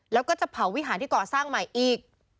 แล้วก็จะเผาวิหารที่ก่อสร้างใหม่อีก